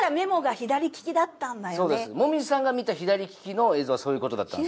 紅葉さんが見た左利きの映像はそういうことだったんですね。